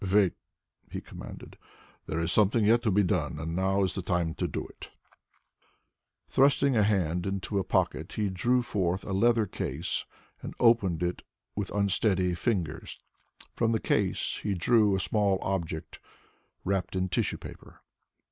"Wait!" he commanded. "There is something yet to be done and now is the time to do it." Thrusting a hand into a pocket he drew forth a leather case and opened it with unsteady fingers. From the case he drew a small object wrapped in tissue paper.